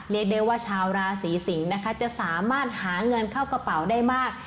เรียกได้ว่าชาวราศีสิงศ์นะคะจะสามารถหาเงินเข้ากระเป๋าได้มาก